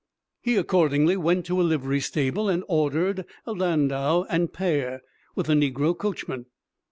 He accordingly went to a livery stable and ordered a landau and pair, with a negro coachman.